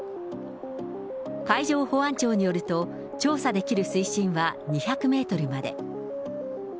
海上保安庁によると、調査できる水深は２００メートルまで。